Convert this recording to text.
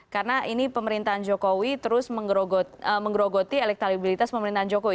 karena ini pemerintahan jokowi terus menggerogoti elektabilitas pemerintahan jokowi